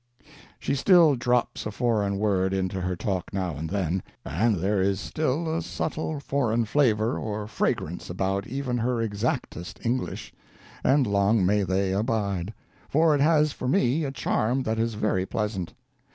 She still drops a foreign word into her talk now and then, and there is still a subtle foreign flavor or fragrance about even her exactest English—and long may this abide! for it has for me a charm that is very pleasant.